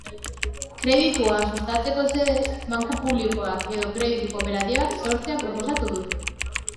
Kreditua sustatzeko xedez, banku publikoak edo kreditu kooperatibak sortzea proposatu dute.